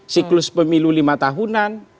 siklus pemilu lima tahun